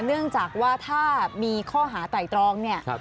เนื่องจากว่าถ้ามีข้อหาไตรตรองเนี่ย